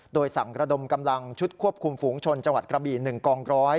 โดยสั่งระดมกำลังชุดควบคุมฝูงชนจังหวัดกระบี๑กองร้อย